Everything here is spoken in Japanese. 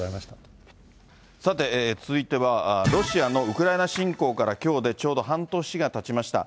さて、続いてはロシアのウクライナ侵攻からきょうでちょうど半年がたちました。